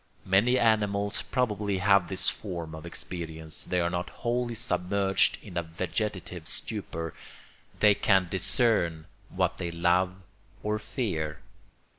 Many animals probably have this form of experience; they are not wholly submerged in a vegetative stupor; they can discern what they love or fear.